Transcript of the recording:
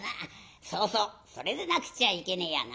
そうそうそれでなくちゃいけねえやな。